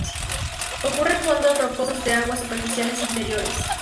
Ocurre en fondos rocosos de aguas superficiales interiores.